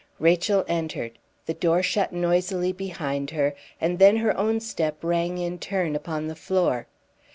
Rachel entered, the door shut noisily behind her, and then her own step rang in turn upon the floor.